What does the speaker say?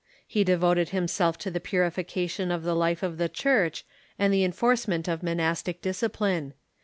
He devoted himself to the purification of the life of the Church and the enforcement of monastic discipline.